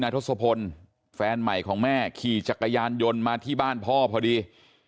ทศพลแฟนใหม่ของแม่ขี่จักรยานยนต์มาที่บ้านพ่อพอดี